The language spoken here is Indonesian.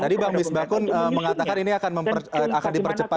tadi bang misbah kun mengatakan ini akan dipercepat